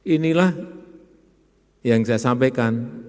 inilah yang saya sampaikan